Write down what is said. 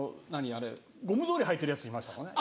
あれゴム草履履いてるヤツいましたもんね。